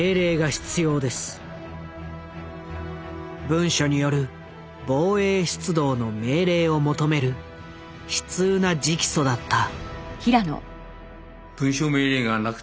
文書による防衛出動の命令を求める悲痛な直訴だった。